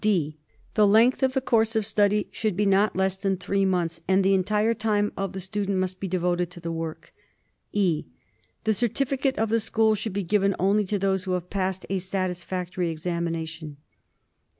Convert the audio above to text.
(d) The length of the course of study should be not less than three months, and the entire time of the student must be devoted to the work. (e) The certificate of the school should be given only to those who have passed a satisfactory examination.